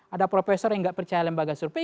ada profesor yang nggak percaya lembaga survei